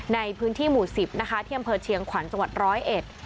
ในพื้นที่หมู่๑๐เที่ยมเผอร์เชียงขวัญจังหวัดร้อยเอ็ด